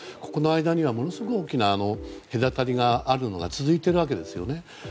ここの間にはものすごく大きな隔たりがあるのが続いているわけですよね。